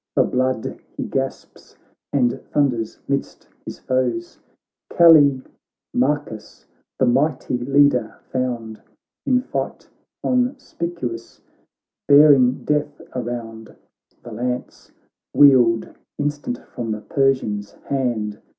For blood he gasps, and thunders midst his foes : Callimachus, the mighty leader, found In fight conspicuous, bearing death around : The lance, wheeled instant from the Persian's hand.